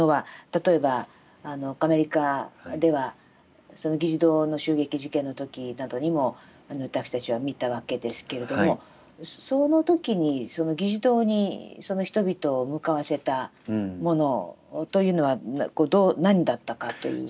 例えばアメリカでは議事堂の襲撃事件の時などにも私たちは見たわけですけれどもその時にその議事堂に人々を向かわせたものというのは何だったかという。